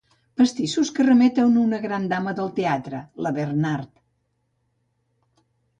Pastissos que remeten a una gran dama del teatre, la Bernhardt.